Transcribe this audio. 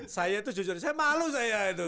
saya itu jujur saya malu saya itu